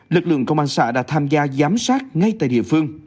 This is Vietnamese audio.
lực lượng công an xã đã tham gia giám sát ngay tại địa phương